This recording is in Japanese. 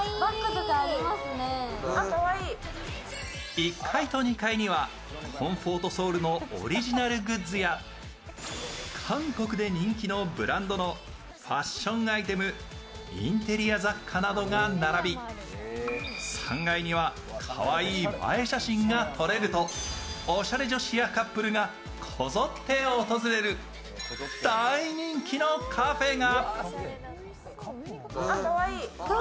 １階と２階にはコンフォートソウルのオリジナルグッズや韓国で人気のブランドのファッションアイテムインテリア雑貨などが並び、３階にはかわいい映え写真が撮れるとおしゃれ女子やカップルがこぞって訪れる大人気のカフェが。